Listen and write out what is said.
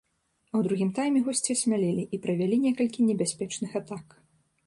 А ў другім тайме госці асмялелі і правялі некалькі небяспечных атак.